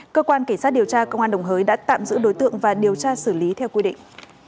cơ quan cảnh sát điều tra công an đồng hới đã tạm giữ đối tượng và điều tra xử lý theo quy định